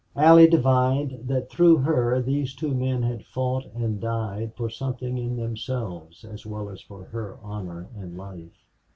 Allie divined that through her these two men had fought and died for something in themselves as well as for her honor and life.